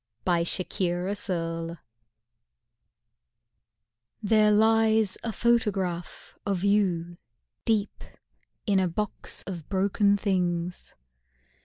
THE SENTIMENTALIST There lies a photograph of you Deep in a box of broken things.